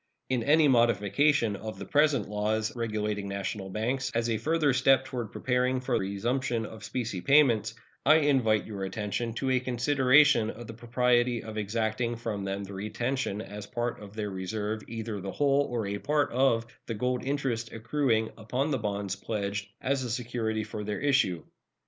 In any modification of the present laws regulating national banks, as a further step toward preparing for resumption of specie payments, I invite your attention to a consideration of the propriety of exacting from them the retention as a part of their reserve either the whole or a part of the gold interest accruing upon the bonds pledged as security for their issue.